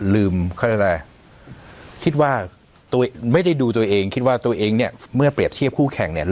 เขาเรียกอะไรคิดว่าตัวเองไม่ได้ดูตัวเองคิดว่าตัวเองเนี่ยเมื่อเปรียบเทียบคู่แข่งเนี่ย